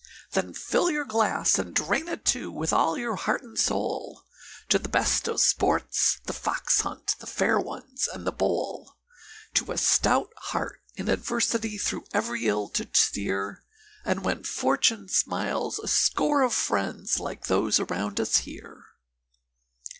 Then fill your glass, and drain it, too, with all your heart and soul, To the best of sports The Fox hunt, The Fair Ones, and The Bowl, To a stout heart in adversity through every ill to steer, And when Fortune smiles a score of friends like those around us here.